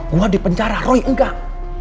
gue di penjara roi enggak